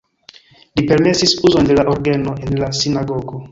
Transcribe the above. Li permesis uzon de la orgeno en la sinagogo.